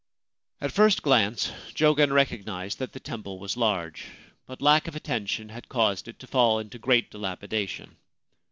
At first glance Jogen recognised that the temple was large ; but lack of attention had caused it to fall into great dilapidation.